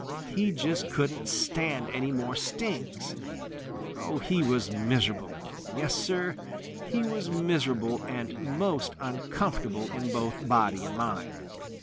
He just couldn't stand any more stings. He was miserable. Yes, Sir, he was miserable and most uncomfortable in both body and mind.